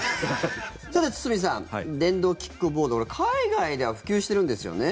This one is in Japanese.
さて、堤さん電動キックボード海外では普及してるんですよね。